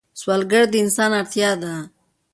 سوالګر د انسان اړتیا ده